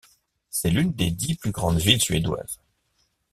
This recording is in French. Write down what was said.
C'est l'une des dix plus grandes villes suédoises.